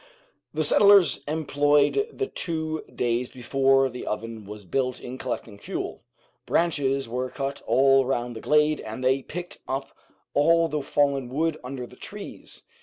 The settlers employed the two days before the oven was built in collecting fuel. Branches were cut all round the glade, and they picked up all the fallen wood under the trees.